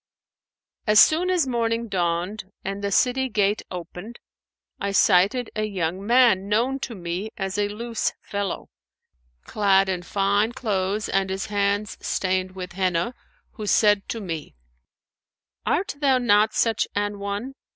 As soon as morning dawned and the city gate opened, I sighted a young man known to me as a loose fellow, clad in fine clothes and his hands stained with Henna, who said to me, 'Art thou not such an one?'